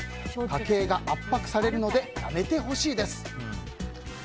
家計が圧迫されるのでやめてほしいです。